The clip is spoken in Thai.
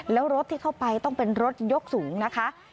แล้วรถที่เข้าไปต้องเป็นรถยกสูงนะคะ